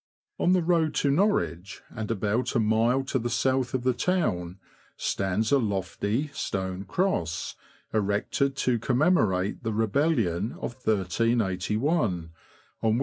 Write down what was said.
On the road to Norwich, and about a mile to the south of the town, stands a lofty, stone cross, erected to commemorate the rebellion of 1381, on which 186 THE LAND OF THE BROADS.